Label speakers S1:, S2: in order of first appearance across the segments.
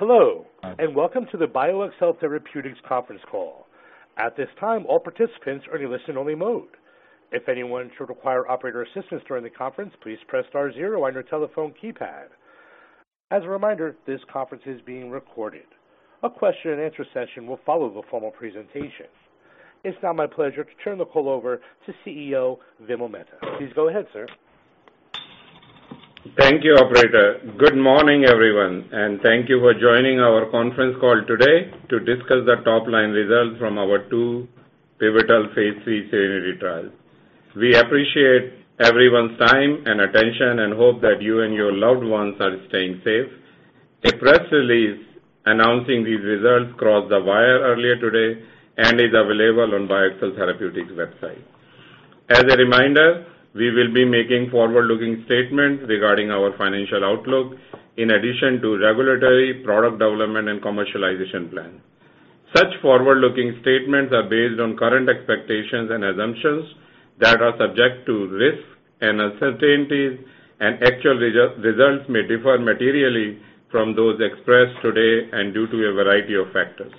S1: Hello, welcome to the BioXcel Therapeutics conference call. At this time, all participants are in listen-only mode. If anyone should require operator assistance during the conference, please press star zero on your telephone keypad. As a reminder, this conference is being recorded. A question and answer session will follow the formal presentation. It's now my pleasure to turn the call over to CEO Vimal Mehta. Please go ahead, sir.
S2: Thank you, operator. Good morning, everyone, and thank you for joining our conference call today to discuss the top-line results from our two pivotal Phase III SERENITY trials. We appreciate everyone's time and attention and hope that you and your loved ones are staying safe. A press release announcing these results crossed the wire earlier today and is available on BioXcel Therapeutics website. As a reminder, we will be making forward-looking statements regarding our financial outlook in addition to regulatory product development and commercialization plan. Such forward-looking statements are based on current expectations and assumptions that are subject to risks and uncertainties, and actual results may differ materially from those expressed today and due to a variety of factors.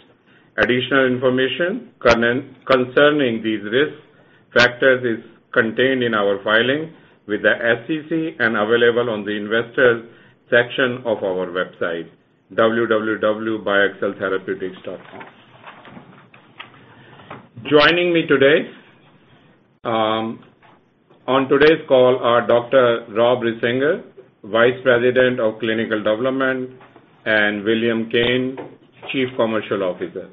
S2: Additional information concerning these risks factors is contained in our filings with the SEC and available on the investors section of our website, www.bioxceltherapeutics.com. Joining me today on today's call are Dr. Rob Risinger, Vice President of Clinical Development, and William Kane, Chief Commercial Officer.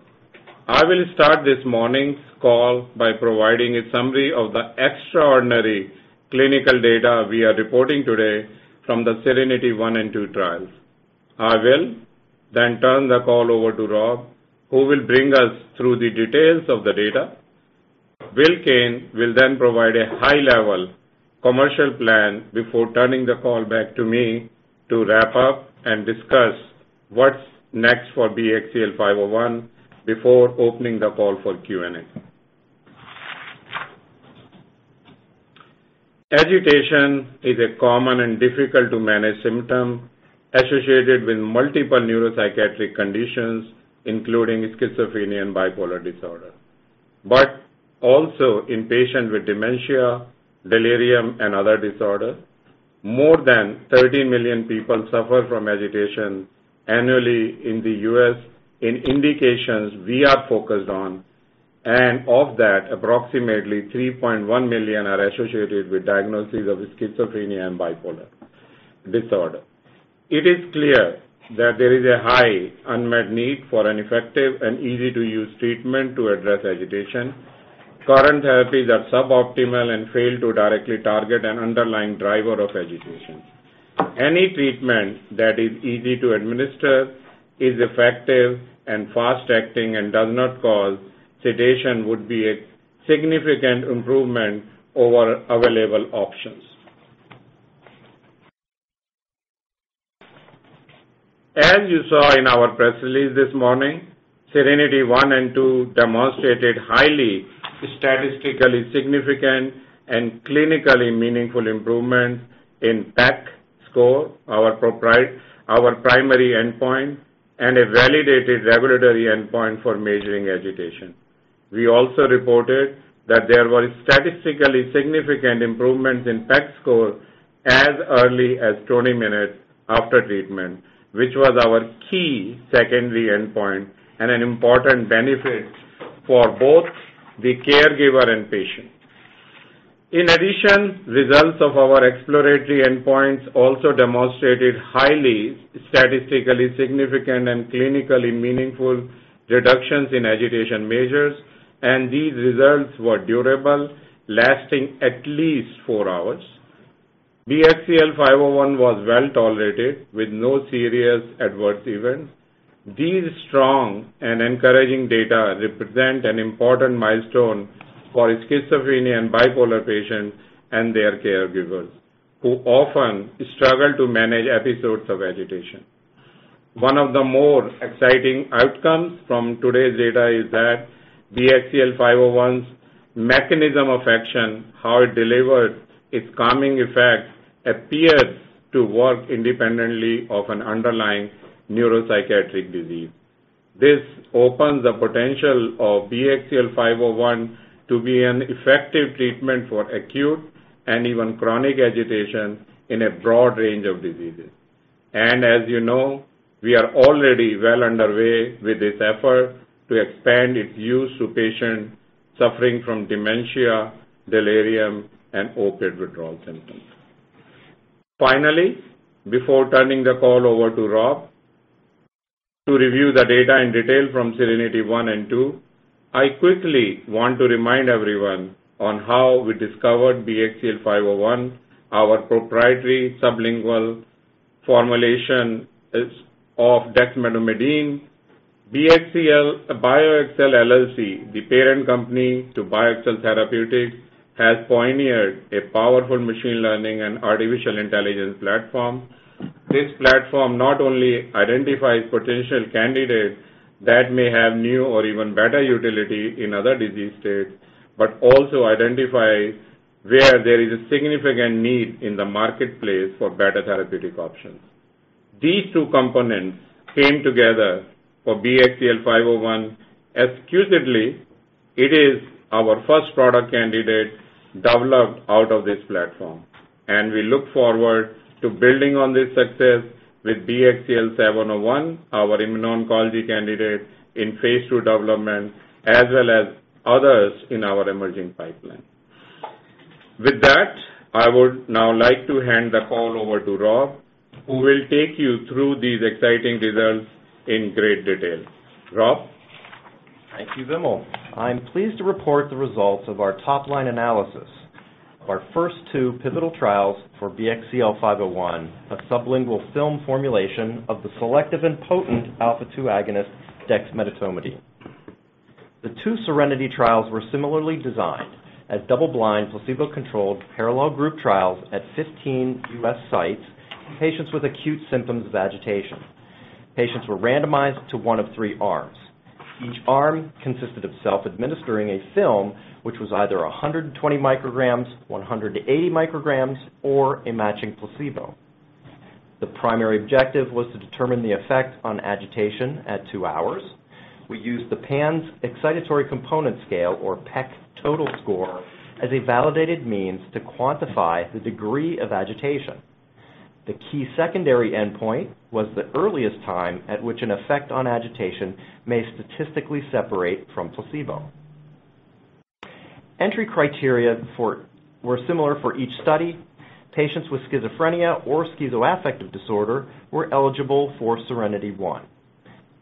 S2: I will start this morning's call by providing a summary of the extraordinary clinical data we are reporting today from the SERENITY I and II trials. I will turn the call over to Rob, who will bring us through the details of the data. Bill Kane will provide a high-level commercial plan before turning the call back to me to wrap up and discuss what's next for BXCL501 before opening the call for Q&A. Agitation is a common and difficult-to-manage symptom associated with multiple neuropsychiatric conditions, including schizophrenia and bipolar disorder, but also in patients with dementia, delirium, and other disorders. More than 30 million people suffer from agitation annually in the U.S. in indications we are focused on, and of that, approximately 3.1 million are associated with diagnoses of schizophrenia and bipolar disorder. It is clear that there is a high unmet need for an effective and easy-to-use treatment to address agitation. Current therapies are suboptimal and fail to directly target an underlying driver of agitation. Any treatment that is easy to administer, is effective and fast-acting, and does not cause sedation would be a significant improvement over available options. As you saw in our press release this morning, SERENITY I and II demonstrated highly statistically significant and clinically meaningful improvements in PEC score, our primary endpoint, and a validated regulatory endpoint for measuring agitation. We also reported that there were statistically significant improvements in PEC score as early as 20 minutes after treatment, which was our key secondary endpoint and an important benefit for both the caregiver and patient. In addition, results of our exploratory endpoints also demonstrated highly statistically significant and clinically meaningful reductions in agitation measures, and these results were durable, lasting at least four hours. BXCL501 was well-tolerated with no serious adverse events. These strong and encouraging data represent an important milestone for schizophrenia and bipolar patients and their caregivers, who often struggle to manage episodes of agitation. One of the more exciting outcomes from today's data is that BXCL501's mechanism of action, how it delivers its calming effect, appears to work independently of an underlying neuropsychiatric disease. This opens the potential of BXCL501 to be an effective treatment for acute and even chronic agitation in a broad range of diseases. As you know, we are already well underway with this effort to expand its use to patients suffering from dementia, delirium, and opiate withdrawal symptoms. Finally, before turning the call over to Rob to review the data in detail from SERENITY I and II, I quickly want to remind everyone on how we discovered BXCL501, our proprietary sublingual formulation of dexmedetomidine. BioXcel LLC, the parent company to BioXcel Therapeutics, has pioneered a powerful machine learning and artificial intelligence platform. This platform not only identifies potential candidates that may have new or even better utility in other disease states, but also identifies where there is a significant need in the marketplace for better therapeutic options. These two components came together for BXCL501. [Exclusively], it is our first product candidate developed out of this platform, and we look forward to building on this success with BXCL701, our immuno-oncology candidate in phase II development, as well as others in our emerging pipeline. With that, I would now like to hand the call over to Rob, who will take you through these exciting results in great detail. Rob?
S3: Thank you, Vimal. I'm pleased to report the results of our top-line analysis of our first two pivotal trials for BXCL501, a sublingual film formulation of the selective and potent alpha-2 agonist, dexmedetomidine. The two SERENITY trials were similarly designed as double-blind, placebo-controlled parallel group trials at 15 U.S. sites in patients with acute symptoms of agitation. Patients were randomized to one of three arms. Each arm consisted of self-administering a film which was either 120 micrograms, 180 micrograms, or a matching placebo. The primary objective was to determine the effect on agitation at two hours. We used the PANSS Excited Component scale, or PEC total score, as a validated means to quantify the degree of agitation. The key secondary endpoint was the earliest time at which an effect on agitation may statistically separate from placebo. Entry criteria were similar for each study. Patients with schizophrenia or schizoaffective disorder were eligible for SERENITY I.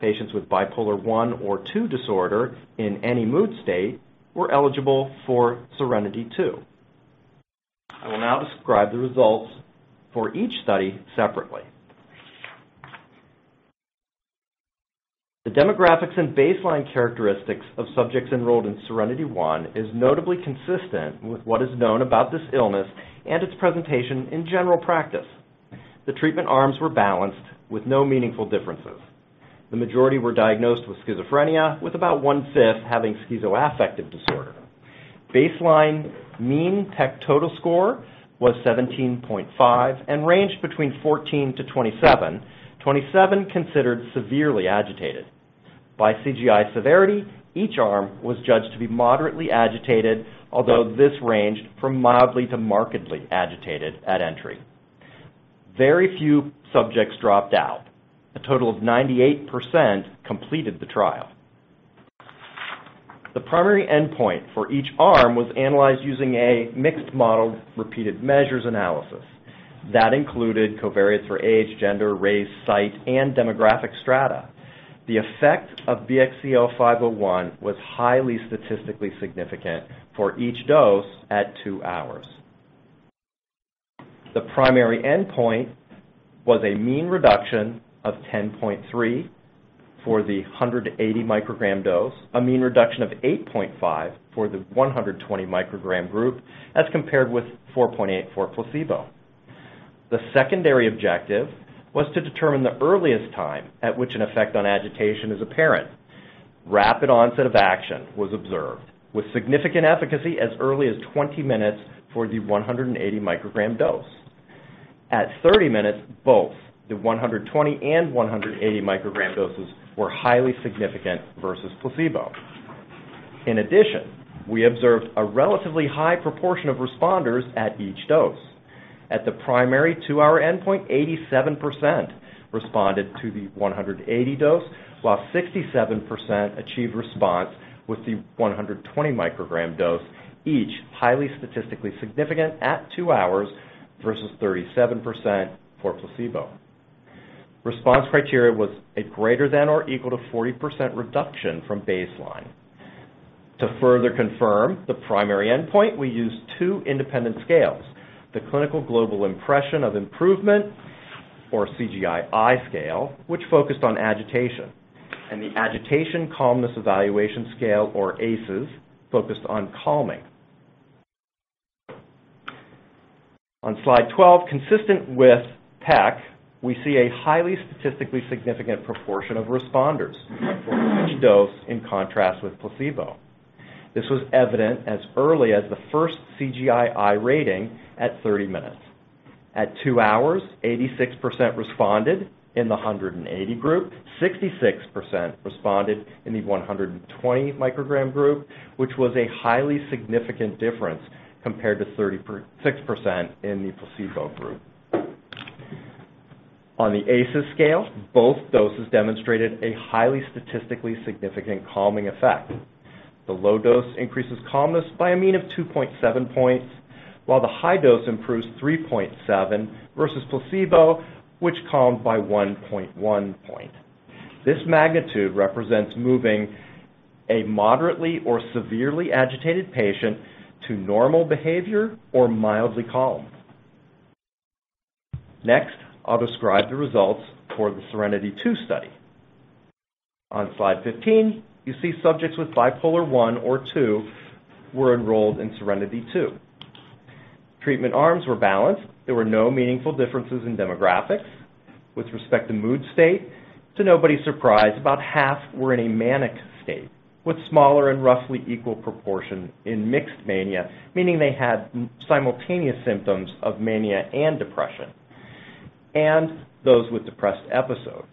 S3: Patients with bipolar I or II disorder in any mood state were eligible for SERENITY II. I will now describe the results for each study separately. The demographics and baseline characteristics of subjects enrolled in SERENITY I is notably consistent with what is known about this illness and its presentation in general practice. The treatment arms were balanced with no meaningful differences. The majority were diagnosed with schizophrenia, with about one-fifth having schizoaffective disorder. Baseline mean PEC total score was 17.5 and ranged between 14-27. 27 considered severely agitated. By CGI severity, each arm was judged to be moderately agitated, although this ranged from mildly to markedly agitated at entry. Very few subjects dropped out. A total of 98% completed the trial. The primary endpoint for each arm was analyzed using a mixed model repeated measures analysis that included covariates for age, gender, race, site, and demographic strata. The effect of BXCL501 was highly statistically significant for each dose at two hours. The primary endpoint was a mean reduction of 10.3 for the 180 microgram dose, a mean reduction of 8.5 for the 120 microgram group, as compared with 4.8 for placebo. The secondary objective was to determine the earliest time at which an effect on agitation is apparent. Rapid onset of action was observed, with significant efficacy as early as 20 minutes for the 180 microgram dose. At 30 minutes, both the 120 and 180 microgram doses were highly significant versus placebo. We observed a relatively high proportion of responders at each dose. At the primary two-hour endpoint, 87% responded to the 180 dose, while 67% achieved response with the 120 microgram dose, each highly statistically significant at two hours versus 37% for placebo. Response criteria was a greater than or equal to 40% reduction from baseline. To further confirm the primary endpoint, we used two independent scales, the Clinical Global Impression of Improvement or CGI-I scale, which focused on agitation, and the Agitation Calmness Evaluation Scale, or ACES, focused on calming. On slide 12, consistent with PEC, we see a highly statistically significant proportion of responders for each dose in contrast with placebo. This was evident as early as the first CGI-I rating at 30 minutes. At two hours, 86% responded in the 180 group, 66% responded in the 120 microgram group, which was a highly significant difference compared to 36% in the placebo group. On the ACES scale, both doses demonstrated a highly statistically significant calming effect. The low dose increases calmness by a mean of 2.7 points, while the high dose improves 3.7 versus placebo, which calmed by 1.1 point. This magnitude represents moving a moderately or severely agitated patient to normal behavior or mildly calm. Next, I'll describe the results for the SERENITY II study. On slide 15, you see subjects with bipolar I or II were enrolled in SERENITY II. Treatment arms were balanced. There were no meaningful differences in demographics. With respect to mood state, to nobody's surprise, about half were in a manic state with smaller and roughly equal proportion in mixed mania, meaning they had simultaneous symptoms of mania and depression, and those with depressed episode.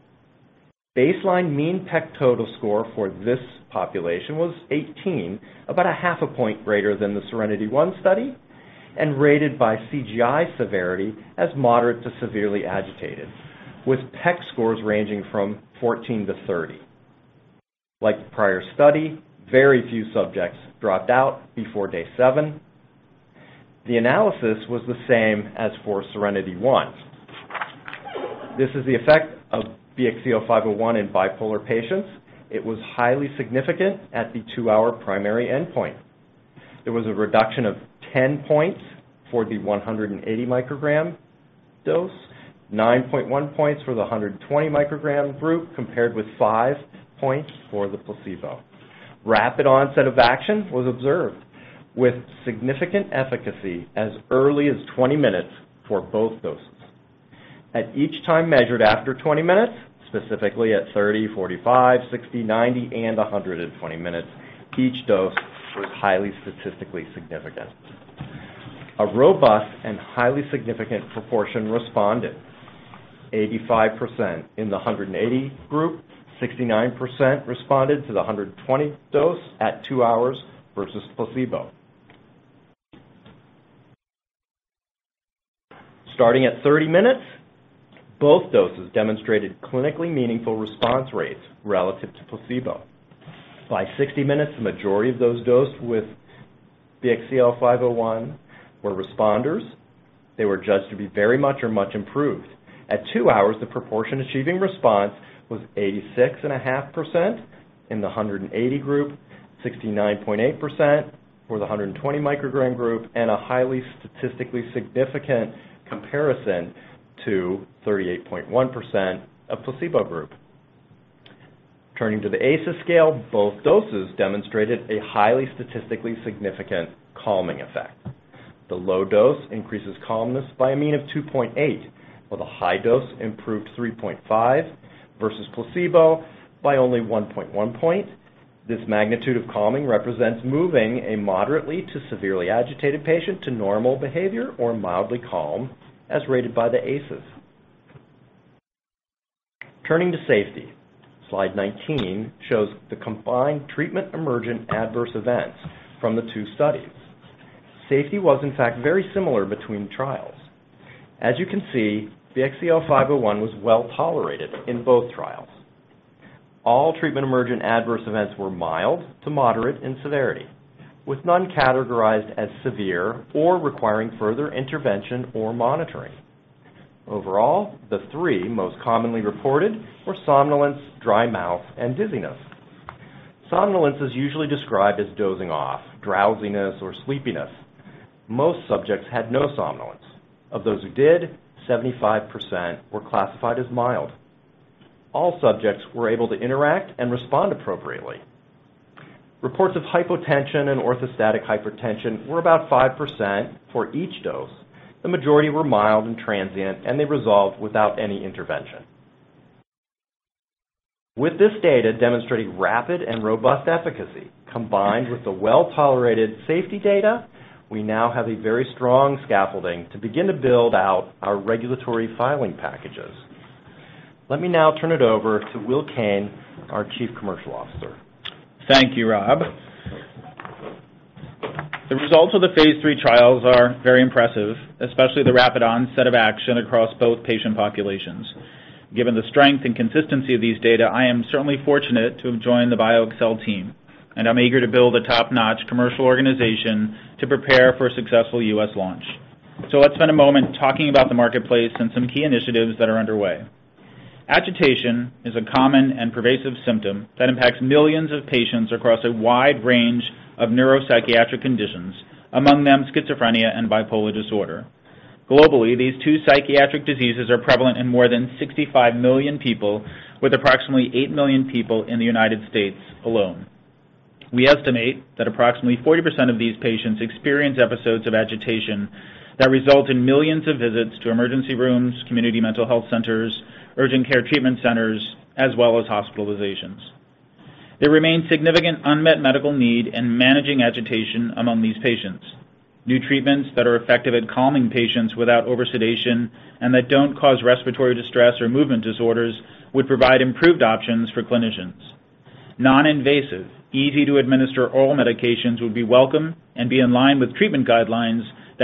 S3: Baseline mean PEC total score for this population was 18, about a half a point greater than the SERENITY I study, and rated by CGI severity as moderate to severely agitated, with PEC scores ranging from 14 to 30. Like the prior study, very few subjects dropped out before day seven. The analysis was the same as for SERENITY I. This is the effect of BXCL501 in bipolar patients. It was highly significant at the two-hour primary endpoint. There was a reduction of 10 points for the 180 microgram dose, 9.1 points for the 120 microgram group, compared with five points for the placebo. Rapid onset of action was observed, with significant efficacy as early as 20 minutes for both doses. At each time measured after 20 minutes, specifically at 30, 45, 60, 90, and 120 minutes, each dose was highly statistically significant. A robust and highly significant proportion responded, 85% in the 180 group, 69% responded to the 120 dose at two hours versus placebo. Starting at 30 minutes, both doses demonstrated clinically meaningful response rates relative to placebo. By 60 minutes, the majority of those dosed with BXCL501 were responders. They were judged to be very much or much improved. At two hours, the proportion achieving response was 86.5% in the 180 group, 69.8% for the 120 microgram group, and a highly statistically significant comparison to 38.1% of placebo group. Turning to the ACES scale, both doses demonstrated a highly statistically significant calming effect. The low dose increases calmness by a mean of 2.8, while the high dose improved 3.5 versus placebo by only 1.1 point. This magnitude of calming represents moving a moderately to severely agitated patient to normal behavior or mildly calm as rated by the ACES. Turning to safety, slide 19 shows the combined treatment-emergent adverse events from the two studies. Safety was, in fact, very similar between trials. As you can see, BXCL501 was well-tolerated in both trials. All treatment-emergent adverse events were mild to moderate in severity, with none categorized as severe or requiring further intervention or monitoring. Overall, the three most commonly reported were somnolence, dry mouth, and dizziness. Somnolence is usually described as dozing off, drowsiness, or sleepiness. Most subjects had no somnolence. Of those who did, 75% were classified as mild. All subjects were able to interact and respond appropriately. Reports of hypotension and orthostatic hypotension were about 5% for each dose. The majority were mild and transient, and they resolved without any intervention. With this data demonstrating rapid and robust efficacy, combined with the well-tolerated safety data, we now have a very strong scaffolding to begin to build out our regulatory filing packages. Let me now turn it over to Will Kane, our Chief Commercial Officer.
S4: Thank you, Rob. The results of the phase III trials are very impressive, especially the rapid onset of action across both patient populations. Given the strength and consistency of these data, I am certainly fortunate to have joined the BioXcel team, and I'm eager to build a top-notch commercial organization to prepare for a successful U.S. launch. Let's spend a moment talking about the marketplace and some key initiatives that are underway. Agitation is a common and pervasive symptom that impacts millions of patients across a wide range of neuropsychiatric conditions, among them schizophrenia and bipolar disorder. Globally, these two psychiatric diseases are prevalent in more than 65 million people, with approximately 8 million people in the United States alone. We estimate that approximately 40% of these patients experience episodes of agitation that result in millions of visits to emergency rooms, community mental health centers, urgent care treatment centers, as well as hospitalizations. There remains significant unmet medical need in managing agitation among these patients. New treatments that are effective at calming patients without oversedation and that don't cause respiratory distress or movement disorders would provide improved options for clinicians. Non-invasive, easy-to-administer oral medications would be welcome and be in line with treatment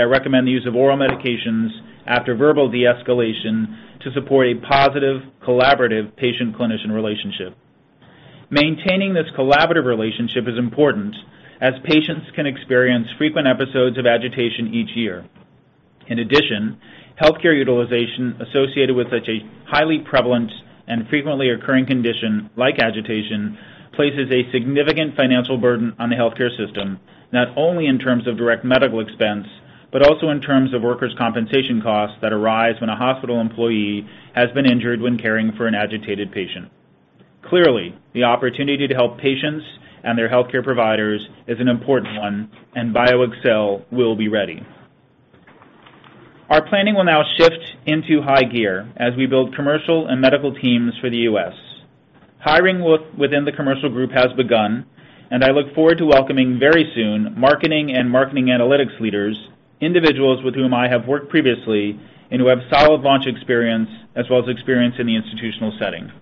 S4: guidelines that recommend the use of oral medications after verbal de-escalation to support a positive, collaborative patient-clinician relationship. Maintaining this collaborative relationship is important, as patients can experience frequent episodes of agitation each year. In addition, healthcare utilization associated with such a highly prevalent and frequently occurring condition like agitation places a significant financial burden on the healthcare system, not only in terms of direct medical expense, but also in terms of workers' compensation costs that arise when a hospital employee has been injured when caring for an agitated patient. Clearly, the opportunity to help patients and their healthcare providers is an important one, and BioXcel will be ready. Our planning will now shift into high gear as we build commercial and medical teams for the U.S. Hiring within the commercial group has begun, and I look forward to welcoming very soon marketing and marketing analytics leaders, individuals with whom I have worked previously and who have solid launch experience as well as experience in the institutional setting.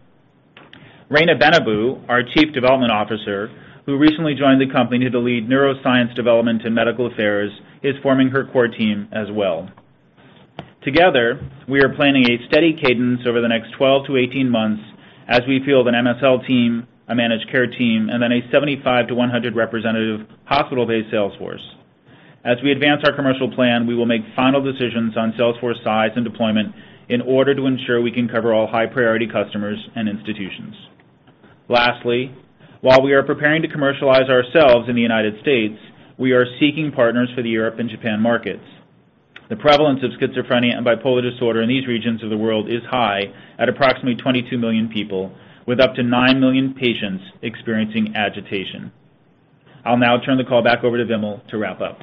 S4: Reina Benabou, our chief development officer, who recently joined the company to lead neuroscience development and medical affairs, is forming her core team as well. Together, we are planning a steady cadence over the next 12 to 18 months as we field an MSL team, a managed care team, and then a 75 to 100 representative hospital-based sales force. As we advance our commercial plan, we will make final decisions on sales force size and deployment in order to ensure we can cover all high-priority customers and institutions. Lastly, while we are preparing to commercialize ourselves in the United States, we are seeking partners for the Europe and Japan markets. The prevalence of schizophrenia and bipolar disorder in these regions of the world is high at approximately 22 million people, with up to nine million patients experiencing agitation. I'll now turn the call back over to Vimal to wrap up.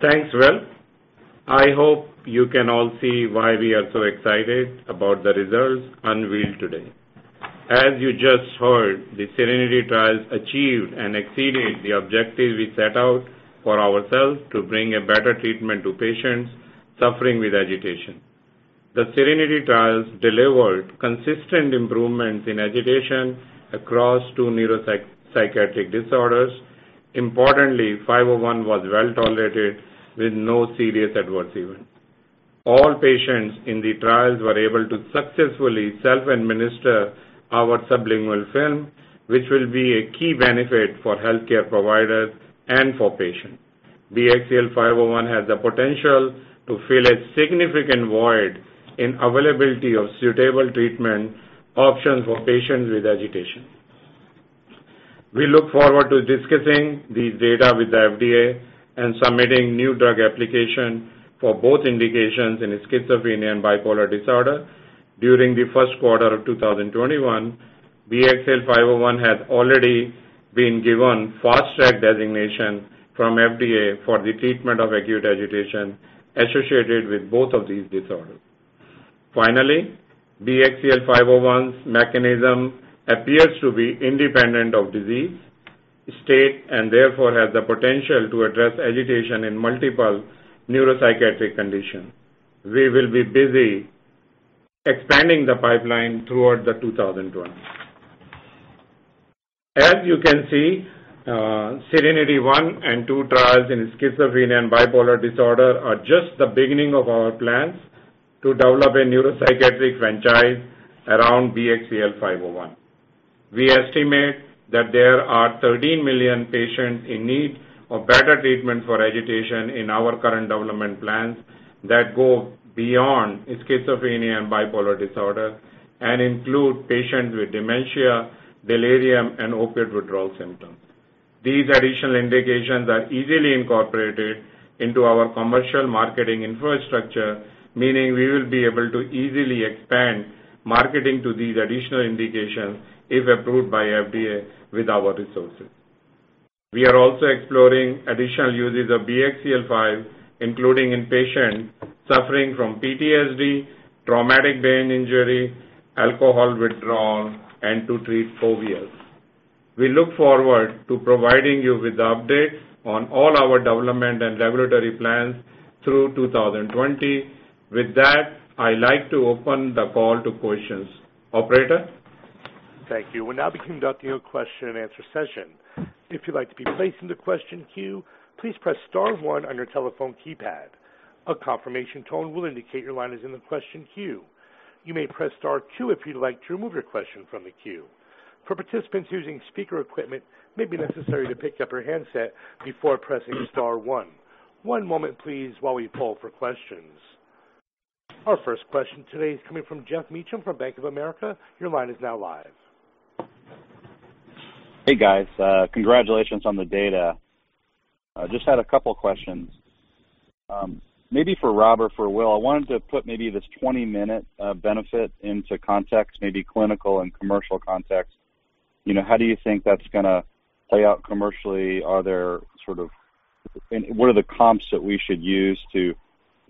S2: Thanks, William. I hope you can all see why we are so excited about the results unveiled today. As you just heard, the SERENITY trials achieved and exceeded the objectives we set out for ourselves to bring a better treatment to patients suffering with agitation. The SERENITY trials delivered consistent improvements in agitation across two neuropsychiatric disorders. Importantly, BXCL501 was well-tolerated with no serious adverse events. All patients in the trials were able to successfully self-administer our sublingual film, which will be a key benefit for healthcare providers and for patients. BXCL501 has the potential to fill a significant void in availability of suitable treatment options for patients with agitation. We look forward to discussing these data with the FDA and submitting New Drug Application for both indications in schizophrenia and bipolar disorder during the first quarter of 2021. BXCL501 has already been given Fast Track designation from FDA for the treatment of acute agitation associated with both of these disorders. Finally, BXCL501's mechanism appears to be independent of disease state and therefore has the potential to address agitation in multiple neuropsychiatric conditions. We will be busy expanding the pipeline throughout the 2020s. As you can see, SERENITY I and II trials in schizophrenia and bipolar disorder are just the beginning of our plans to develop a neuropsychiatric franchise around BXCL501. We estimate that there are 13 million patients in need of better treatment for agitation in our current development plans that go beyond schizophrenia and bipolar disorder and include patients with dementia, delirium, and opiate withdrawal symptoms. These additional indications are easily incorporated into our commercial marketing infrastructure, meaning we will be able to easily expand marketing to these additional indications if approved by FDA with our resources. We are also exploring additional uses of BXCL501, including in patients suffering from PTSD, traumatic brain injury, alcohol withdrawal, and to treat phobias. We look forward to providing you with updates on all our development and regulatory plans through 2020. With that, I'd like to open the call to questions. Operator?
S1: Thank you. We'll now be conducting a question and answer session. If you'd like to be placed in the question queue, please press star one on your telephone keypad. A confirmation tone will indicate your line is in the question queue. You may press star two if you'd like to remove your question from the queue. For participants using speaker equipment, it may be necessary to pick up your handset before pressing star one. One moment, please, while we poll for questions. Our first question today is coming from Geoff Meacham from Bank of America. Your line is now live.
S5: Hey, guys. Congratulations on the data. Just had a couple questions. Maybe for Rob or for Will, I wanted to put maybe this 20-minute benefit into context, maybe clinical and commercial context. How do you think that's going to play out commercially? What are the comps that we should use to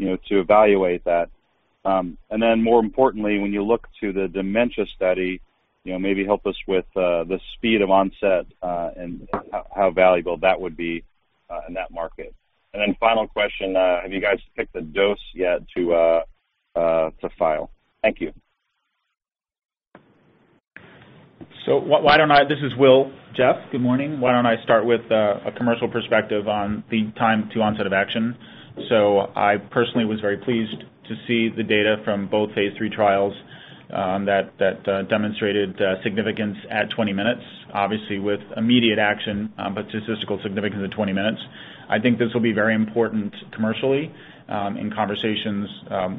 S5: evaluate that? More importantly, when you look to the dementia study, maybe help us with the speed of onset and how valuable that would be in that market. Final question, have you guys picked the dose yet to file? Thank you.
S4: Why don't I This is William. Geoff, good morning. Why don't I start with a commercial perspective on the time to onset of action. I personally was very pleased to see the data from both phase III trials that demonstrated significance at 20 minutes, obviously with immediate action, but statistical significance at 20 minutes. I think this will be very important commercially in conversations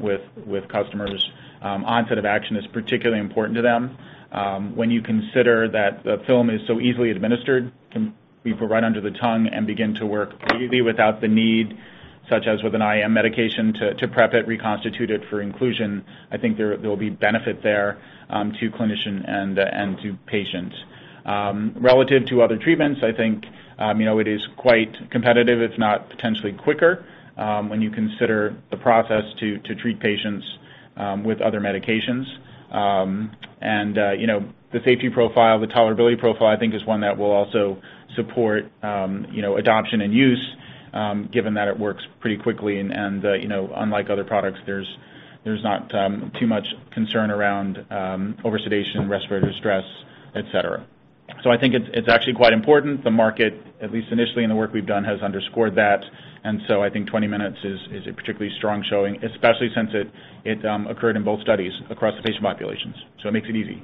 S4: with customers. Onset of action is particularly important to them. When you consider that the film is so easily administered, can be put right under the tongue and begin to work immediately without the need, such as with an IM medication, to prep it, reconstitute it for inclusion. I think there will be benefit there to clinician and to patient. Relative to other treatments, I think it is quite competitive, if not potentially quicker, when you consider the process to treat patients with other medications. The safety profile, the tolerability profile, I think is one that will also support adoption and use, given that it works pretty quickly and, unlike other products, there's not too much concern around oversedation, respiratory distress, et cetera. I think it's actually quite important. The market, at least initially in the work we've done, has underscored that. I think 20 minutes is a particularly strong showing, especially since it occurred in both studies across the patient populations. It makes it easy.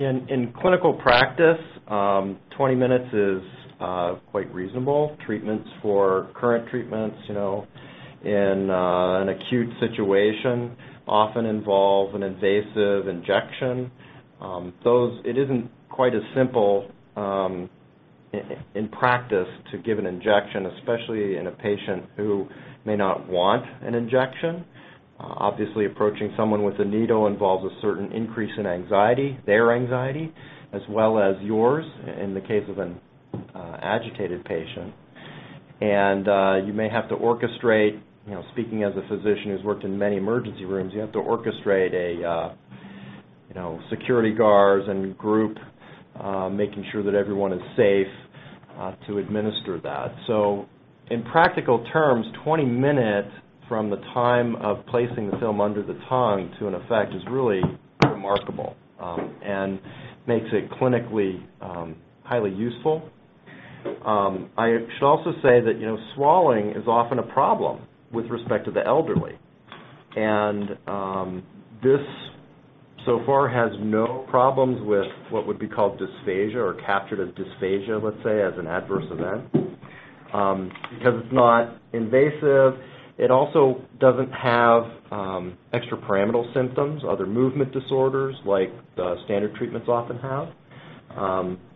S3: In clinical practice, 20 minutes is quite reasonable. Treatments for current treatments, in an acute situation, often involve an invasive injection. It isn't quite as simple in practice to give an injection, especially in a patient who may not want an injection. Obviously, approaching someone with a needle involves a certain increase in anxiety, their anxiety, as well as yours in the case of an agitated patient. You may have to orchestrate, speaking as a physician who's worked in many emergency rooms, you have to orchestrate security guards and group, making sure that everyone is safe to administer that. In practical terms, 20 minutes from the time of placing the film under the tongue to an effect is really remarkable and makes it clinically highly useful. I should also say that swallowing is often a problem with respect to the elderly. This so far has no problems with what would be called dysphagia or captured as dysphagia, let's say, as an adverse event. It's not invasive, it also doesn't have extrapyramidal symptoms, other movement disorders like the standard treatments often have.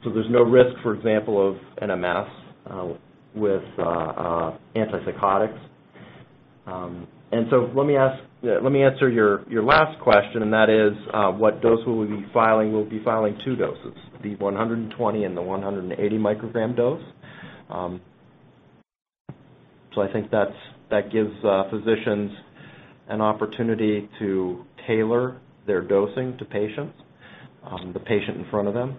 S3: There's no risk, for example, of NMS with antipsychotics. Let me answer your last question, and that is what dose we'll be filing. We'll be filing two doses, the 120 and the 180 microgram dose. I think that gives physicians an opportunity to tailor their dosing to patients, the patient in front of them.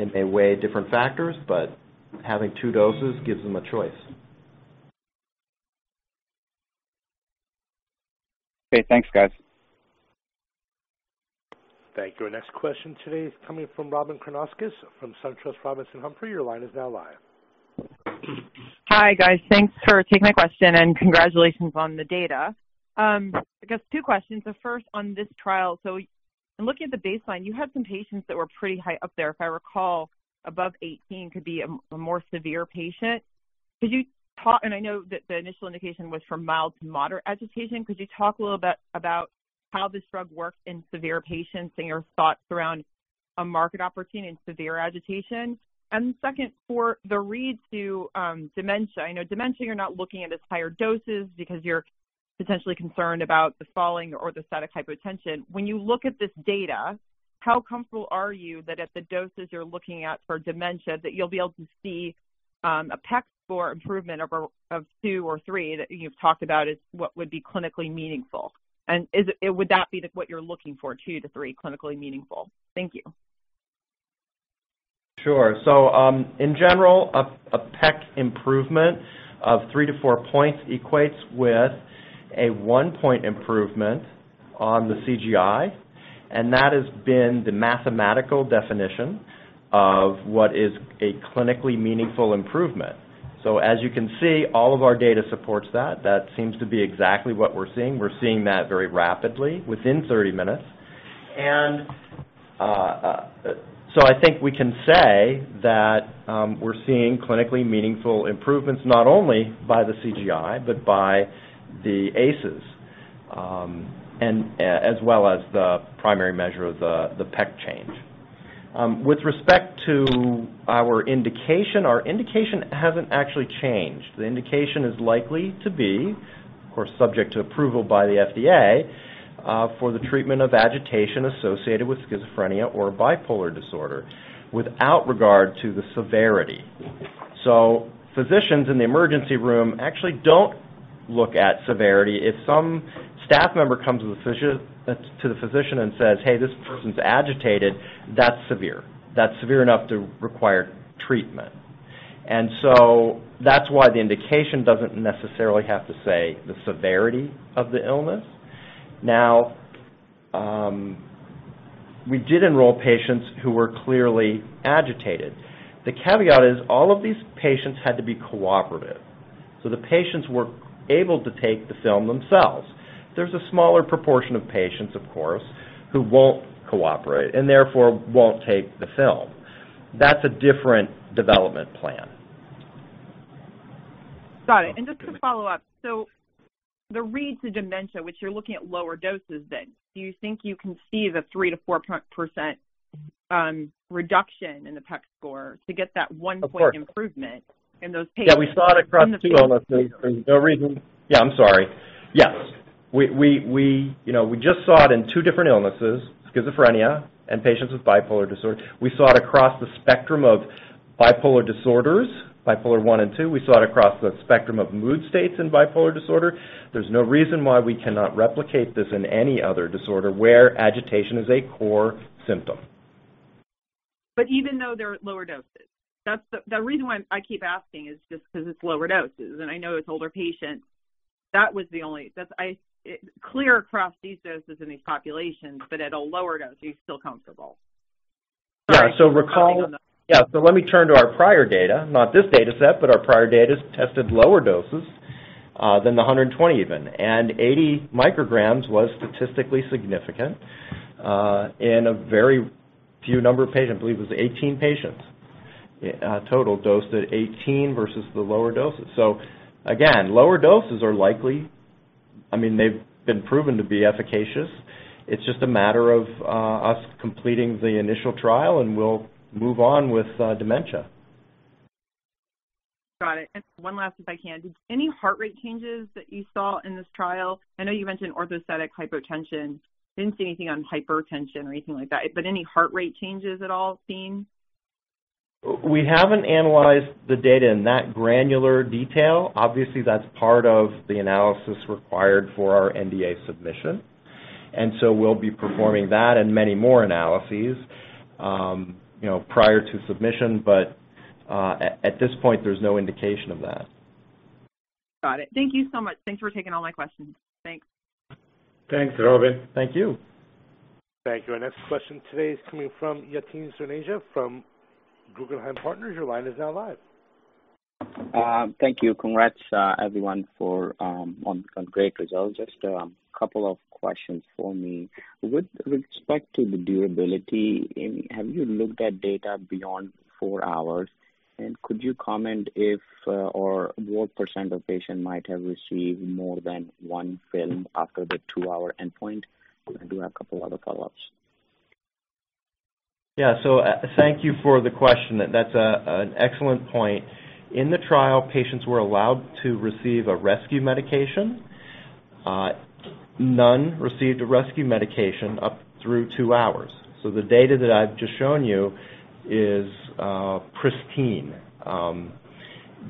S3: It may weigh different factors, but having two doses gives them a choice.
S5: Okay, thanks, guys.
S1: Thank you. Our next question today is coming from Robyn Karnauskas from SunTrust Robinson Humphrey. Your line is now live.
S6: Hi, guys. Thanks for taking my question, and congratulations on the data. I guess two questions. The first on this trial. In looking at the baseline, you had some patients that were pretty high up there, if I recall, above 18 could be a more severe patient. Could you talk, and I know that the initial indication was for mild to moderate agitation. Could you talk a little bit about how this drug works in severe patients and your thoughts around a market opportunity in severe agitation? Second, for the read to dementia. I know dementia you're not looking at as higher doses because you're potentially concerned about the falling or the static hypotension. When you look at this data, how comfortable are you that at the doses you're looking at for dementia, that you'll be able to see a PEC score improvement of two or three that you've talked about is what would be clinically meaningful? Would that be what you're looking for, two to three clinically meaningful? Thank you.
S3: Sure. In general, a PEC improvement of three to four points equates with a one-point improvement on the CGI, and that has been the mathematical definition of what is a clinically meaningful improvement. As you can see, all of our data supports that. That seems to be exactly what we're seeing. We're seeing that very rapidly within 30 minutes. I think we can say that we're seeing clinically meaningful improvements not only by the CGI, but by the ACES, as well as the primary measure of the PEC change. With respect to our indication, our indication hasn't actually changed. The indication is likely to be, of course, subject to approval by the FDA, for the treatment of agitation associated with schizophrenia or bipolar disorder, without regard to the severity. Physicians in the emergency room actually don't look at severity. If some staff member comes to the physician and says, "Hey, this person's agitated," that's severe. That's severe enough to require treatment. That's why the indication doesn't necessarily have to say the severity of the illness. Now, we did enroll patients who were clearly agitated. The caveat is all of these patients had to be cooperative. The patients were able to take the film themselves. There's a smaller proportion of patients, of course, who won't cooperate and therefore won't take the film. That's a different development plan.
S6: Got it. Just to follow up. The read to dementia, which you're looking at lower doses then, do you think you can see the 3%-4% reduction in the PEC score to get that one point improvement in those patients?
S3: Yeah, we saw it across two.
S6: In the patients.
S3: There's no reason. Yeah, I'm sorry. Yes. We just saw it in two different illnesses, schizophrenia and patients with bipolar disorder. We saw it across the spectrum of bipolar disorders, bipolar I and II. We saw it across the spectrum of mood states in bipolar disorder. There's no reason why we cannot replicate this in any other disorder where agitation is a core symptom.
S6: Even though they're at lower doses. The reason why I keep asking is just because it's lower doses, and I know it's older patients. Clear across these doses in these populations, but at a lower dose, are you still comfortable?
S3: Yeah. Let me turn to our prior data, not this data set, but our prior data tested lower doses than the 120 even. 80 micrograms was statistically significant in a very few number of patients. I believe it was 18 patients total dosed at 18 versus the lower doses. Again, lower doses are likely. They've been proven to be efficacious. It's just a matter of us completing the initial trial, and we'll move on with dementia.
S6: Got it. One last if I can. Any heart rate changes that you saw in this trial? I know you mentioned orthostatic hypotension. Didn't see anything on hypertension or anything like that. Any heart rate changes at all seen?
S3: We haven't analyzed the data in that granular detail. Obviously, that's part of the analysis required for our NDA submission. So we'll be performing that and many more analyses prior to submission. At this point, there's no indication of that.
S6: Got it. Thank you so much. Thanks for taking all my questions. Thanks.
S2: Thanks, Robyn.
S3: Thank you.
S1: Thank you. Our next question today is coming from Yatin Suneja from Guggenheim Partners. Your line is now live.
S7: Thank you. Congrats, everyone, on great results. Just a couple of questions for me. With respect to the durability, have you looked at data beyond four hours? Could you comment if or what % of patients might have received more than one film after the two-hour endpoint? We can do a couple other follow-ups.
S3: Yeah. Thank you for the question. That's an excellent point. In the trial, patients were allowed to receive a rescue medication. None received a rescue medication up through two hours. The data that I've just shown you is pristine.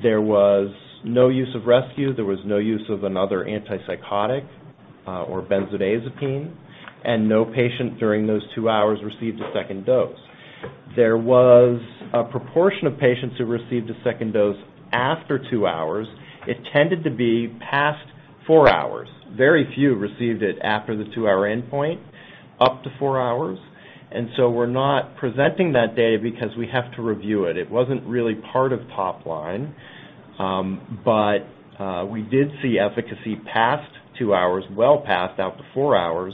S3: There was no use of rescue. There was no use of another antipsychotic or benzodiazepine, and no patient during those two hours received a second dose. There was a proportion of patients who received a second dose after two hours. It tended to be past four hours. Very few received it after the two-hour endpoint, up to four hours. We're not presenting that data because we have to review it. It wasn't really part of top line. We did see efficacy past two hours, well past, out to four hours.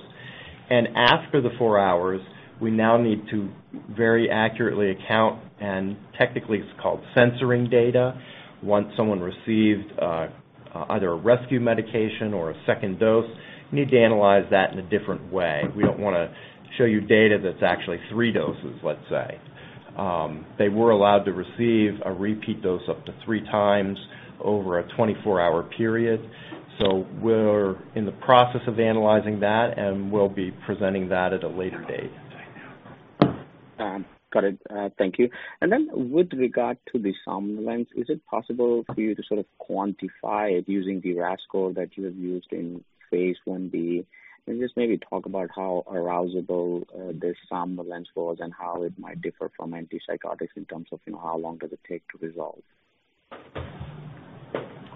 S3: After the four hours, we now need to very accurately account, and technically it's called censoring data. Once someone received either a rescue medication or a second dose, you need to analyze that in a different way. We don't want to show you data that's actually three doses, let's say. They were allowed to receive a repeat dose up to three times over a 24-hour period. We're in the process of analyzing that, and we'll be presenting that at a later date.
S7: Got it. Thank you. With regard to the somnolence, is it possible for you to sort of quantify it using the RASS that you have used in phase I-B? Just maybe talk about how arousable this somnolence was and how it might differ from antipsychotics in terms of how long does it take to resolve.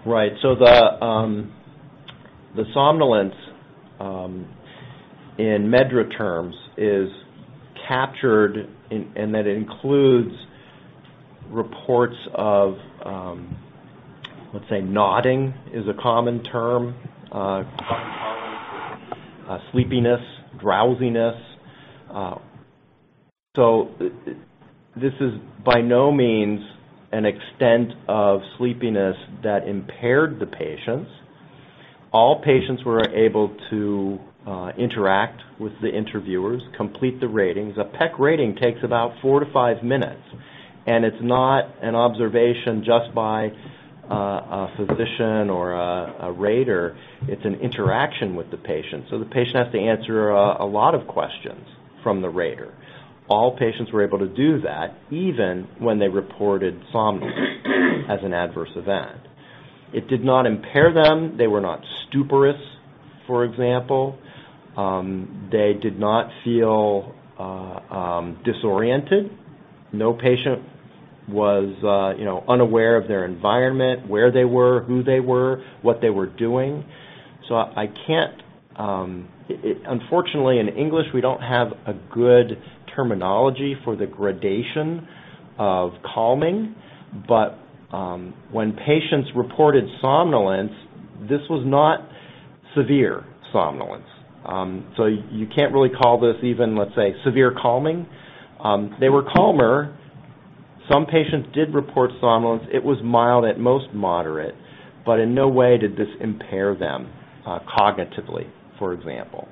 S3: Right. The somnolence in MedDRA terms is captured, and that includes reports of, let's say, nodding is a common term, sleepiness, drowsiness. This is by no means an extent of sleepiness that impaired the patients. All patients were able to interact with the interviewers, complete the ratings. A PEC rating takes about four to five minutes. It's not an observation just by a physician or a rater. It's an interaction with the patient. The patient has to answer a lot of questions from the rater. All patients were able to do that, even when they reported somnolence as an adverse event. It did not impair them. They were not stuporous, for example. They did not feel disoriented. No patient was unaware of their environment, where they were, who they were, what they were doing. Unfortunately, in English, we don't have a good terminology for the gradation of calming. When patients reported somnolence, this was not severe somnolence. You can't really call this even, let's say, severe calming. They were calmer. Some patients did report somnolence. It was mild, at most moderate, but in no way did this impair them cognitively, for example.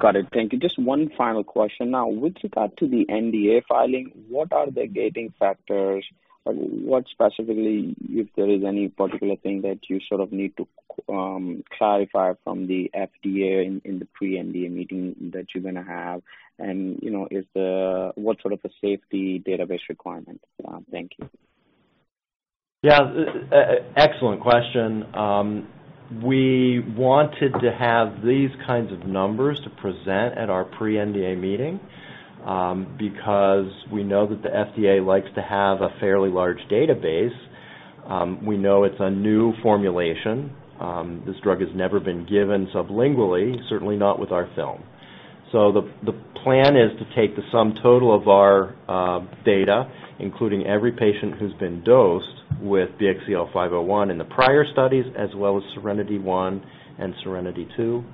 S7: Got it. Thank you. Just one final question now. With regard to the NDA filing, what are the gating factors? What specifically, if there is any particular thing that you sort of need to clarify from the FDA in the pre-NDA meeting that you're going to have? What sort of a safety database requirement? Thank you.
S3: Yeah. Excellent question. We wanted to have these kinds of numbers to present at our pre-NDA meeting, because we know that the FDA likes to have a fairly large database. We know it's a new formulation. This drug has never been given sublingually, certainly not with our film. The plan is to take the sum total of our data, including every patient who's been dosed with BXCL501 in the prior studies, as well as SERENITY I and SERENITY II.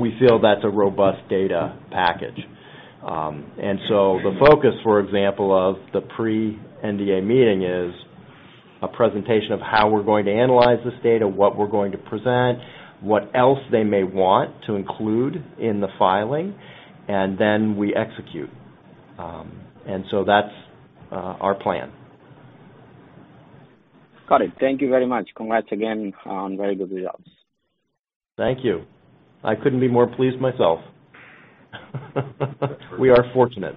S3: We feel that's a robust data package. The focus, for example, of the pre-NDA meeting is a presentation of how we're going to analyze this data, what we're going to present, what else they may want to include in the filing, and then we execute. That's our plan.
S7: Got it. Thank you very much. Congrats again on very good results.
S3: Thank you. I couldn't be more pleased myself. We are fortunate.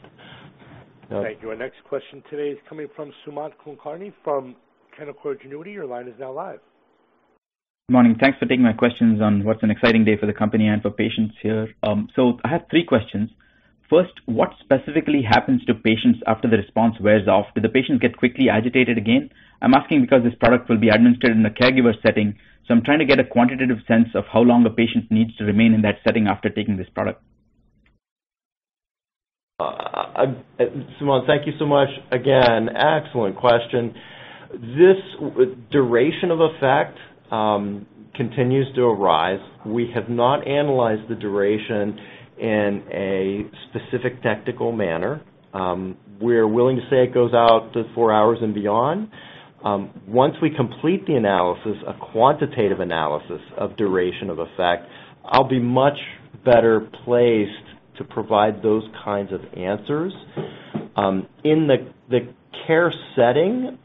S1: Thank you. Our next question today is coming from Sumant Kulkarni from Canaccord Genuity. Your line is now live.
S8: Good morning. Thanks for taking my questions on what's an exciting day for the company and for patients here. I have three questions. First, what specifically happens to patients after the response wears off? Do the patients get quickly agitated again? I'm asking because this product will be administered in a caregiver setting, I'm trying to get a quantitative sense of how long a patient needs to remain in that setting after taking this product.
S3: Sumant, thank you so much. Again, excellent question. This duration of effect continues to arise. We have not analyzed the duration in a specific tactical manner. We're willing to say it goes out to four hours and beyond. Once we complete the analysis, a quantitative analysis of duration of effect, I'll be much better placed to provide those kinds of answers. In the care setting,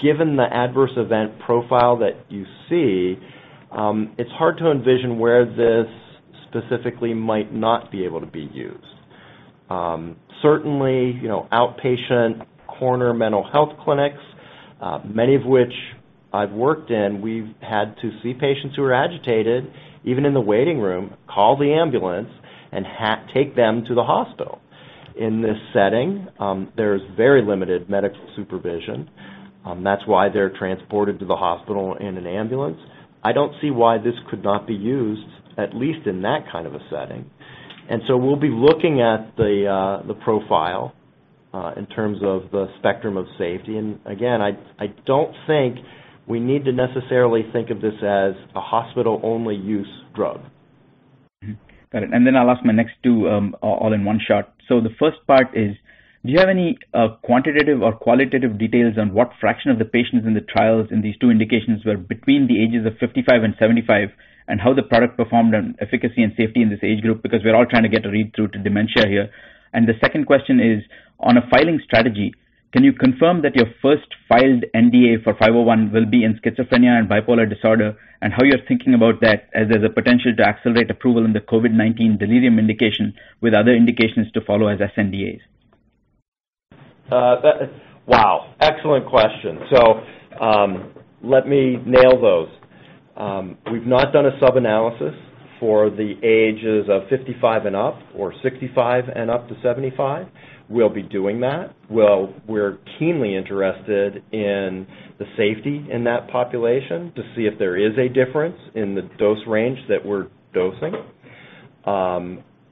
S3: given the adverse event profile that you see, it's hard to envision where this specifically might not be able to be used. Certainly, outpatient corner mental health clinics, many of which I've worked in, we've had to see patients who are agitated, even in the waiting room, call the ambulance, and take them to the hospital. In this setting, there's very limited medical supervision. That's why they're transported to the hospital in an ambulance. I don't see why this could not be used, at least in that kind of a setting. We'll be looking at the profile in terms of the spectrum of safety. Again, I don't think we need to necessarily think of this as a hospital-only use drug.
S8: Got it. I'll ask my next two all in one shot. The first part is, do you have any quantitative or qualitative details on what fraction of the patients in the trials in these two indications were between the ages of 55 and 75, and how the product performed on efficacy and safety in this age group? Because we're all trying to get a read-through to dementia here. The second question is, on a filing strategy, can you confirm that your first filed NDA for 501 will be in schizophrenia and bipolar disorder, and how you're thinking about that as there's a potential to accelerate approval in the COVID-19 delirium indication with other indications to follow as sNDA?
S3: Wow. Excellent question. Let me nail those. We've not done a sub-analysis for the ages of 55 and up or 65 and up to 75. We'll be doing that. Well, we're keenly interested in the safety in that population to see if there is a difference in the dose range that we're dosing.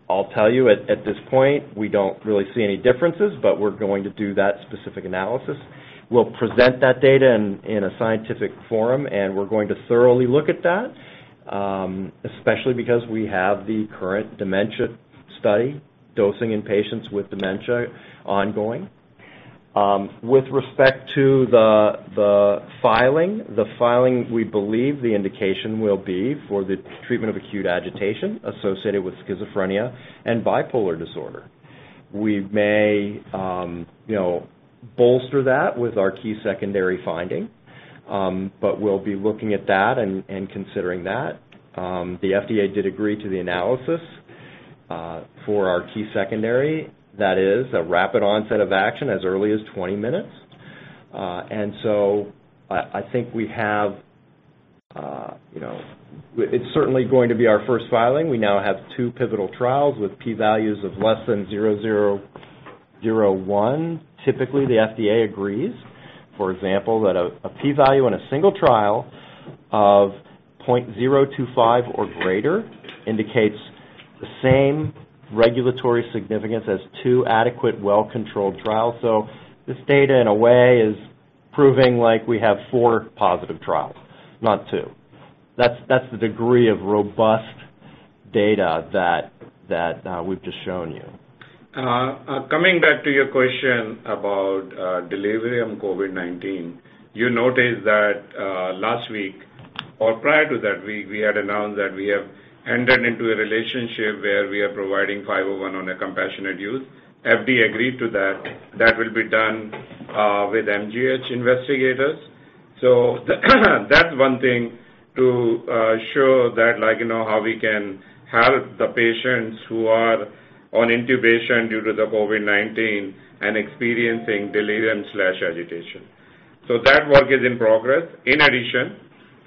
S3: I'll tell you, at this point, we don't really see any differences, but we're going to do that specific analysis. We'll present that data in a scientific forum, and we're going to thoroughly look at that, especially because we have the current dementia study, dosing in patients with dementia ongoing. With respect to the filing, the filing we believe the indication will be for the treatment of acute agitation associated with schizophrenia and bipolar disorder. We may bolster that with our key secondary finding, but we'll be looking at that and considering that. The FDA did agree to the analysis for our key secondary. That is a rapid onset of action as early as 20 minutes. I think it's certainly going to be our first filing. We now have two pivotal trials with P values of less than 0.0001. Typically, the FDA agrees, for example, that a P value in a single trial of 0.025 or greater indicates the same regulatory significance as two adequate, well-controlled trials. This data, in a way, is proving like we have four positive trials, not two. That's the degree of robust data that we've just shown you.
S2: Coming back to your question about delirium COVID-19, you notice that last week or prior to that week, we had announced that we have entered into a relationship where we are providing BXCL501 on a compassionate use. FDA agreed to that. That will be done with MGH investigators. That's one thing to show that how we can help the patients who are on intubation due to the COVID-19 and experiencing delirium/agitation. That work is in progress. In addition,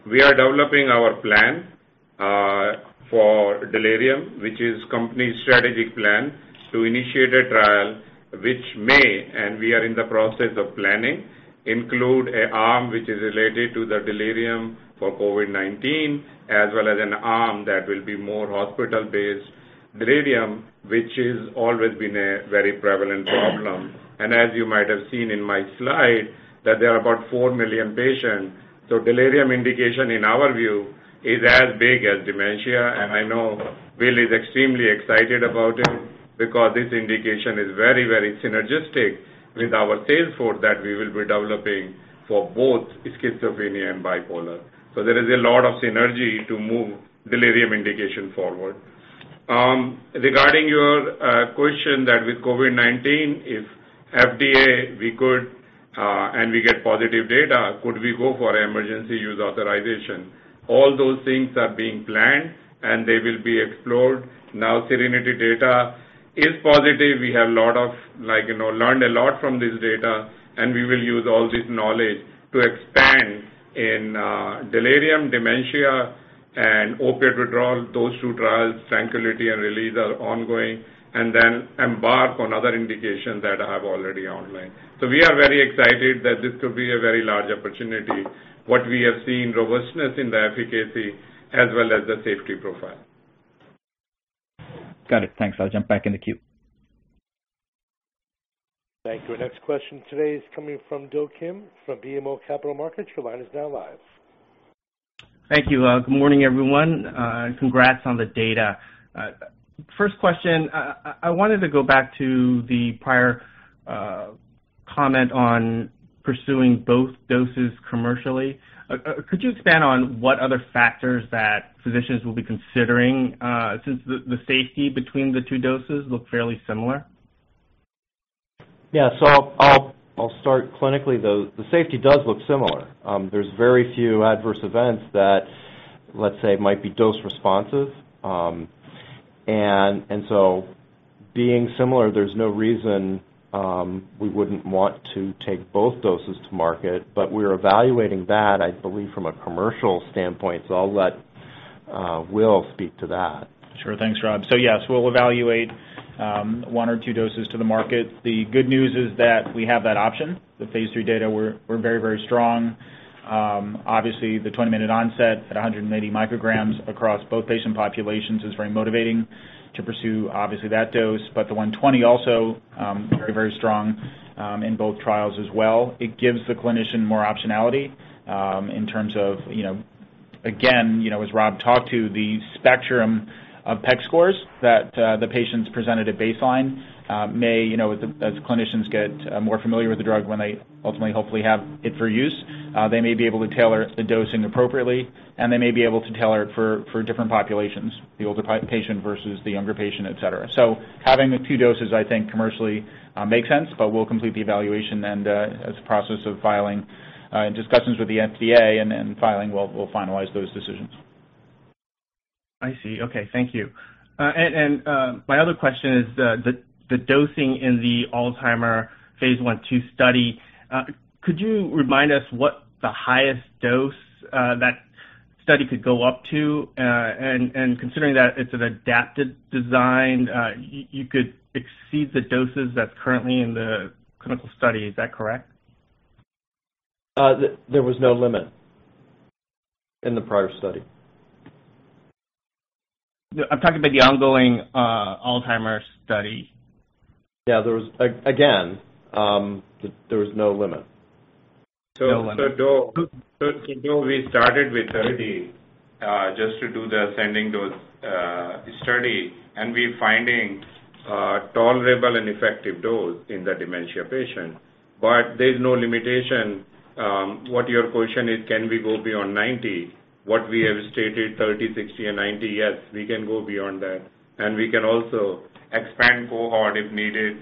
S2: we are developing our plan for delirium, which is company's strategic plan to initiate a trial which may, and we are in the process of planning, include an arm which is related to the delirium for COVID-19 as well as an arm that will be more hospital-based delirium, which is always been a very prevalent problem. As you might have seen in my slide, there are about 4 million patients. Delirium indication in our view is as big as dementia, and I know William is extremely excited about it because this indication is very, very synergistic with our sales force that we will be developing for both schizophrenia and bipolar. There is a lot of synergy to move delirium indication forward. Regarding your question that with COVID-19, if FDA, we could, and we get positive data, could we go for Emergency Use Authorization? All those things are being planned, and they will be explored. Now, SERENITY data is positive. We have learned a lot from this data, and we will use all this knowledge to expand in delirium, dementia, and opiate withdrawal. Those two trials, TRANQUILITY and RELEASE, are ongoing, and then embark on other indications that I have already outlined. We are very excited that this could be a very large opportunity. What we have seen robustness in the efficacy as well as the safety profile.
S8: Got it. Thanks. I'll jump back in the queue.
S1: Thank you. Next question today is coming from Do Kim from BMO Capital Markets. Your line is now live.
S9: Thank you. Good morning, everyone. Congrats on the data. First question, I wanted to go back to the prior comment on pursuing both doses commercially. Could you expand on what other factors that physicians will be considering, since the safety between the two doses look fairly similar?
S3: Yeah. I'll start clinically, though. The safety does look similar. There's very few adverse events that, let's say, might be dose responses. Being similar, there's no reason we wouldn't want to take both doses to market. We're evaluating that, I believe, from a commercial standpoint, so I'll let Will speak to that.
S4: Thanks, Rob. Yes, we'll evaluate one or two doses to the market. The good news is that we have that option. The phase III data were very, very strong. Obviously, the 20-minute onset at 180 micrograms across both patient populations is very motivating to pursue, obviously, that dose. The 120 also, very, very strong in both trials as well. It gives the clinician more optionality in terms of, again, as Rob talked to, the spectrum of PEC scores that the patients presented at baseline may, as clinicians get more familiar with the drug when they ultimately, hopefully, have it for use. They may be able to tailor the dosing appropriately, and they may be able to tailor it for different populations, the older patient versus the younger patient, et cetera. Having the two doses, I think, commercially makes sense, but we'll complete the evaluation and as a process of filing and discussions with the FDA, and filing, we'll finalize those decisions.
S9: I see. Okay. Thank you. My other question is the dosing in the Alzheimer's phase I/II study. Could you remind us what the highest dose that study could go up to? Considering that it's an adapted design, you could exceed the doses that's currently in the clinical study. Is that correct?
S3: There was no limit in the prior study.
S9: I'm talking about the ongoing Alzheimer's study.
S3: Yeah. Again, there was no limit.
S2: We started with 30 just to do the ascending dose study, and we're finding tolerable and effective dose in the dementia patient. There's no limitation. What your question is, can we go beyond 90? What we have stated, 30, 60, and 90, yes, we can go beyond that, and we can also expand cohort if needed.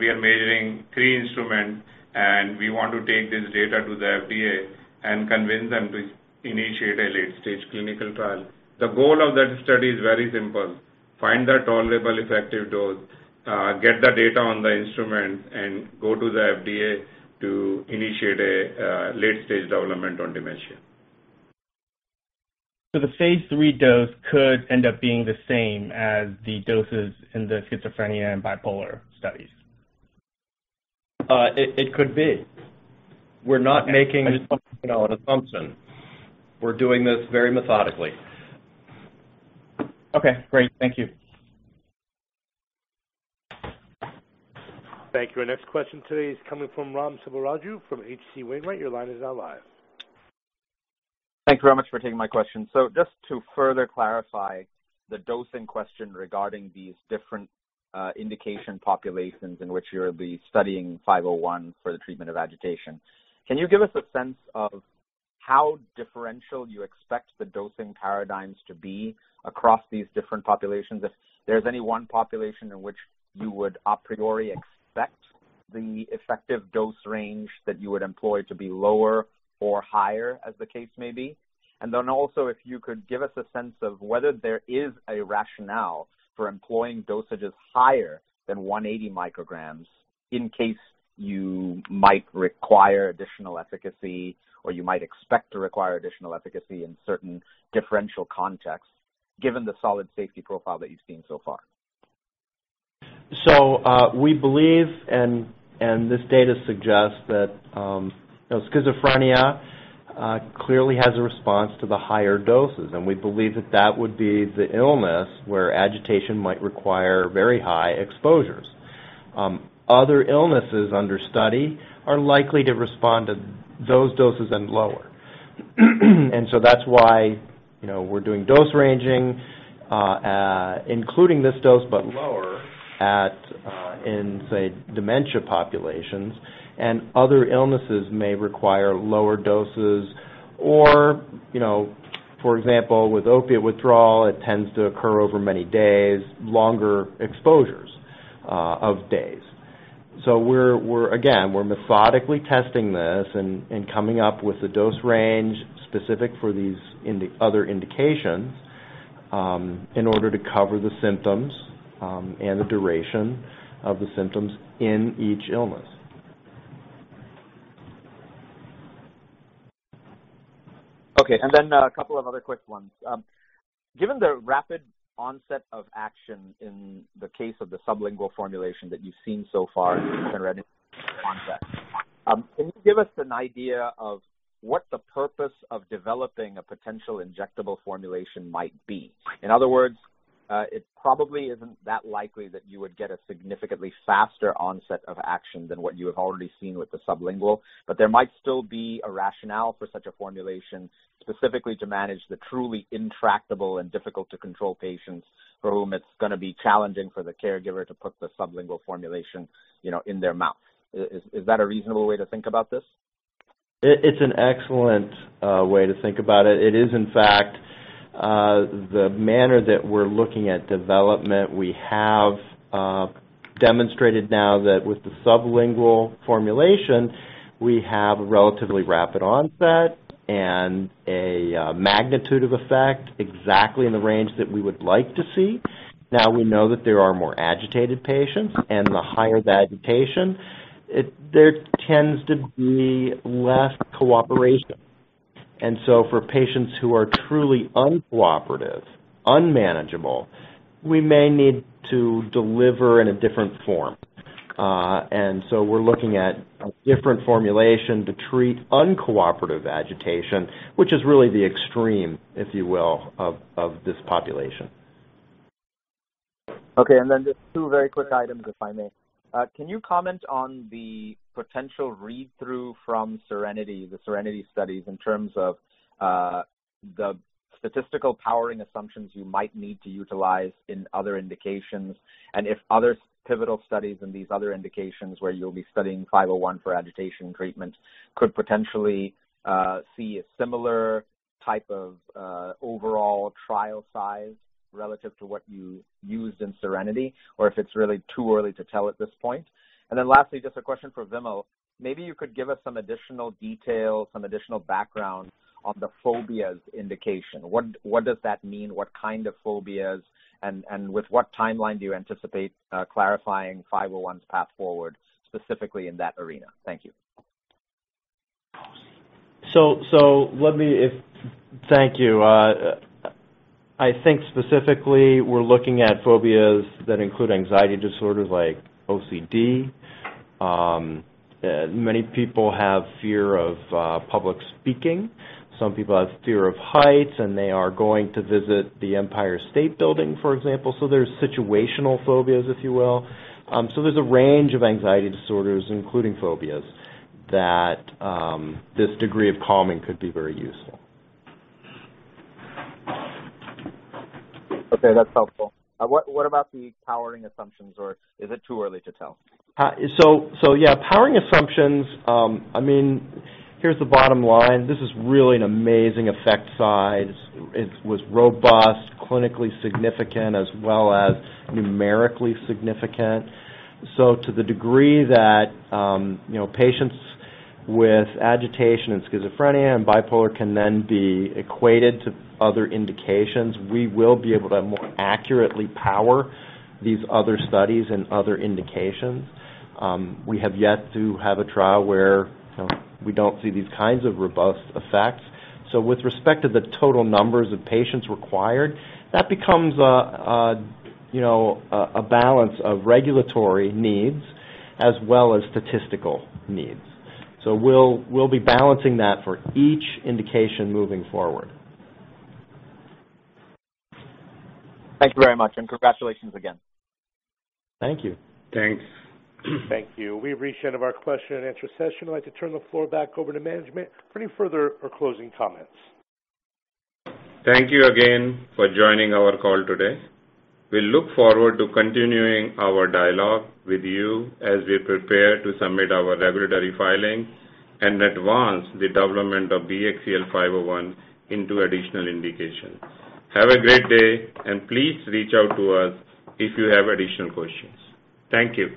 S2: We are measuring three instruments, and we want to take this data to the FDA and convince them to initiate a late-stage clinical trial. The goal of that study is very simple, find the tolerable effective dose, get the data on the instruments, and go to the FDA to initiate a late-stage development on dementia.
S9: The phase III dose could end up being the same as the doses in the schizophrenia and bipolar studies?
S3: It could be. We're not making an assumption. We're doing this very methodically.
S9: Okay, great. Thank you.
S1: Thank you. Our next question today is coming from Ram Selvaraju from H.C. Wainwright. Your line is now live.
S10: Thanks very much for taking my question. Just to further clarify the dosing question regarding these different indication populations in which you'll be studying 501 for the treatment of agitation. Can you give us a sense of how differential you expect the dosing paradigms to be across these different populations? If there's any one population in which you would a priori expect the effective dose range that you would employ to be lower or higher as the case may be. Then also, if you could give us a sense of whether there is a rationale for employing dosages higher than 180 micrograms in case you might require additional efficacy, or you might expect to require additional efficacy in certain differential contexts, given the solid safety profile that you've seen so far.
S3: We believe, and this data suggests that schizophrenia clearly has a response to the higher doses, and we believe that that would be the illness where agitation might require very high exposures. Other illnesses under study are likely to respond to those doses and lower. That's why we're doing dose ranging, including this dose, but lower at, in, say, dementia populations. Other illnesses may require lower doses. For example, with opiate withdrawal, it tends to occur over many days, longer exposures of days. We're methodically testing this and coming up with a dose range specific for these other indications, in order to cover the symptoms, and the duration of the symptoms in each illness.
S10: Okay, a couple of other quick ones. Given the rapid onset of action in the case of the sublingual formulation that you've seen so far in Serenity onset. Can you give us an idea of what the purpose of developing a potential injectable formulation might be? In other words, it probably isn't that likely that you would get a significantly faster onset of action than what you have already seen with the sublingual, but there might still be a rationale for such a formulation, specifically to manage the truly intractable and difficult to control patients for whom it's going to be challenging for the caregiver to put the sublingual formulation in their mouth. Is that a reasonable way to think about this?
S3: It's an excellent way to think about it. It is, in fact, the manner that we're looking at development. We have demonstrated now that with the sublingual formulation, we have a relatively rapid onset and a magnitude of effect exactly in the range that we would like to see. We know that there are more agitated patients, and the higher the agitation, there tends to be less cooperation. For patients who are truly uncooperative, unmanageable, we may need to deliver in a different form. We're looking at a different formulation to treat uncooperative agitation, which is really the extreme, if you will, of this population.
S10: Okay, then just two very quick items, if I may. Can you comment on the potential read-through from the SERENITY studies in terms of the statistical powering assumptions you might need to utilize in other indications? If other pivotal studies in these other indications where you'll be studying 501 for agitation treatment could potentially see a similar type of overall trial size relative to what you used in SERENITY, or if it's really too early to tell at this point. Then lastly, just a question for Vimal. Maybe you could give us some additional details, some additional background on the phobias indication. What does that mean? What kind of phobias, and with what timeline do you anticipate clarifying 501's path forward, specifically in that arena? Thank you.
S3: Thank you. I think specifically we're looking at phobias that include anxiety disorders like OCD. Many people have fear of public speaking. Some people have fear of heights, and they are going to visit the Empire State Building, for example. There's situational phobias. There's a range of anxiety disorders, including phobias, that this degree of calming could be very useful.
S10: Okay, that's helpful. What about the powering assumptions, or is it too early to tell?
S3: Yeah. Powering assumptions. Here's the bottom line. This is really an amazing effect size. It was robust, clinically significant, as well as numerically significant. To the degree that patients with agitation in schizophrenia and bipolar can then be equated to other indications, we will be able to more accurately power these other studies and other indications. We have yet to have a trial where we don't see these kinds of robust effects. With respect to the total numbers of patients required, that becomes a balance of regulatory needs as well as statistical needs. We'll be balancing that for each indication moving forward.
S10: Thank you very much, and congratulations again.
S3: Thank you.
S2: Thanks.
S1: Thank you. We've reached the end of our question and answer session. I'd like to turn the floor back over to management for any further or closing comments.
S2: Thank you again for joining our call today. We look forward to continuing our dialogue with you as we prepare to submit our regulatory filings and advance the development of BXCL501 into additional indications. Have a great day, and please reach out to us if you have additional questions. Thank you.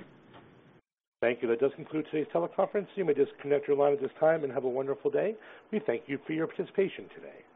S1: Thank you. That does conclude today's teleconference. You may disconnect your line at this time, and have a wonderful day. We thank you for your participation today.